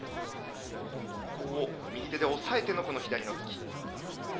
右手で押さえての左の突き。